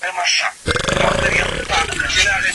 سياسي بدلونونه کله ناکله په سوله ييزه توګه نه ترسره کېږي.